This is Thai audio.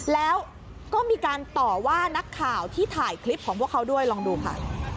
แล้วก็มีการต่อว่านักข่าวที่ถ่ายคลิปของพวกเขาด้วยลองดูค่ะ